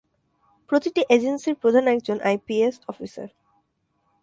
প্রতিটি এজেন্সির প্রধান একজন আইপিএস অফিসার।